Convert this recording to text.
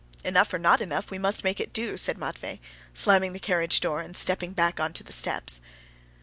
"Enough or not enough, we must make it do," said Matvey, slamming the carriage door and stepping back onto the steps.